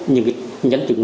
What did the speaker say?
những nhấn chứng